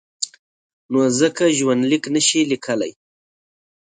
نو ځکه ژوندلیک نشي لیکلای.